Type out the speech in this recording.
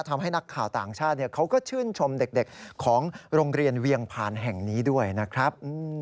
ทำให้นักข่าวต่างชาติเขาก็ชื่นชมเด็กของโรงเรียนเวียงพานแห่งนี้ด้วยนะครับ